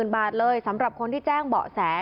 ๐บาทเลยสำหรับคนที่แจ้งเบาะแส